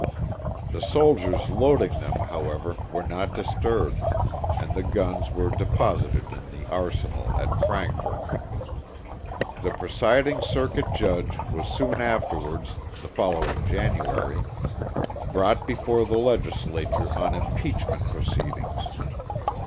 The soldiers loading them, however, were not disturbed, and the guns were deposited in the arsenal at Frankfort. The presiding Circuit judge was soon afterwards, the following January, brought before the Legislature on impeachment proceedings.